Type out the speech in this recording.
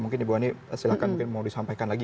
mungkin ibu ani silahkan mau disampaikan lagi